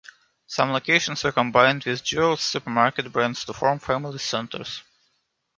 Some locations were combined with Jewel's supermarket brands to form Family Centers.